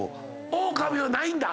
オオカミはないんだ。